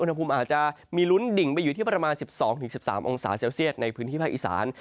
อุณหภูมิอาจจะมีลุ้นดิ่งไปอยู่ที่ประมาณ๑๒๑๓องศาเซลเซียตในพื้นที่ภาคอีสาน